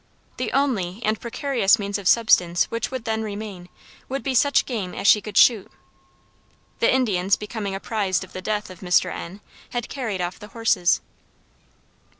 The only and precarious means of subsistence which would then remain, would be such game as she could shoot. The Indians becoming apprised of the death of Mr. N., had carried off the horses.